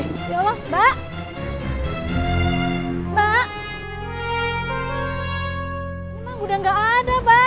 ya allah mbak